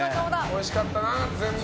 おいしかったな、全部。